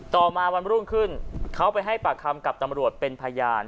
ต่อมาวันรุ่งขึ้นเขาไปให้ปากคำกับตำรวจเป็นพยาน